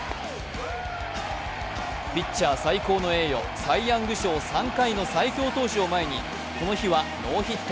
ピッチャー最高の栄誉、サイ・ヤング賞３回の最強投手を前にこの日はノーヒット。